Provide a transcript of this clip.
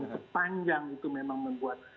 sepanjang itu memang membuat